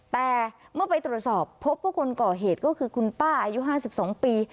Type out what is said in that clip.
แต่เมื่อไปตรวจสอบพบว่าคนก่อเหตุก็คือคุณป้าอายุ๕๒ปี